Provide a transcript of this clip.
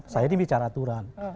saya ini bicara aturan